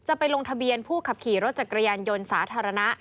ไปลงทะเบียนผู้ขับขี่รถจักรยานยนต์สาธารณะ